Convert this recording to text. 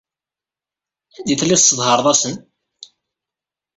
Anda ay telliḍ tesseḍhareḍ-asen?